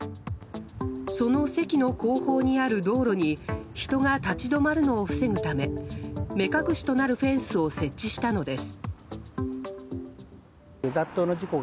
その席の後方にある道路に人が立ち止まるのを防ぐため目隠しとなるフェンスを設置したのです。